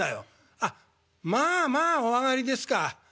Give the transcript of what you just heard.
「あっ『まあまあお上がり』ですか。